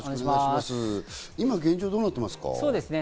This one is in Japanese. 今、現状はどうなっていますか？